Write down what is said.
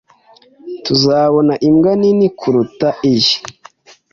Ntuzabona imbwa nini kuruta iyi.